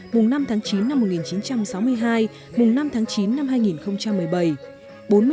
mùng năm tháng chín năm một nghìn chín trăm sáu mươi hai mùng năm tháng chín năm hai nghìn một mươi bảy